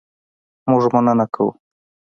مونږ مننه کوو